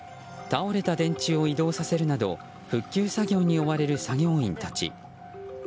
倒れた電柱を移動させるなど復旧作業に追われる作業員たち。